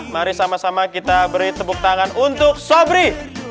mari sama sama kita beri tepuk tangan untuk sobri